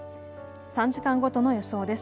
３時間ごとの予想です。